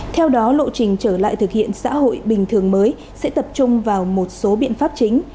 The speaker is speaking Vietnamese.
theo đó lộ trình trở lại thực hiện xã hội bình thường mới sẽ tập trung vào một số biện pháp chính